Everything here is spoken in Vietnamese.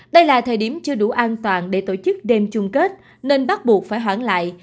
đây là thời điểm chưa đủ an toàn để tổ chức đêm chung kết nên bắt buộc phải hoãn lại